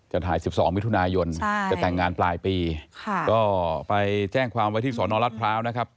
ถ่าย๑๒มิถุนายนจะแต่งงานปลายปีค่ะก็ไปแจ้งความไว้ที่สอนอรัฐพร้าวนะครับ